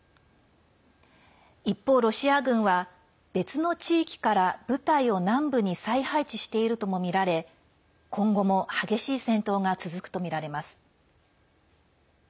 一方、ロシア軍は別の地域から部隊を南部に再配置しているともみられ今後も激しい戦闘が続くとみられます。